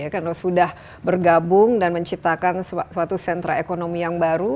karena sudah bergabung dan menciptakan suatu sentra ekonomi yang baru